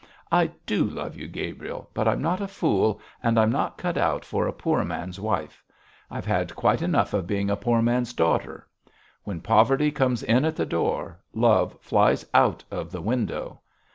'I do love you, Gabriel, but I'm not a fool, and I'm not cut out for a poor man's wife. I've had quite enough of being a poor man's daughter. When poverty comes in at the door, love flies out of the window.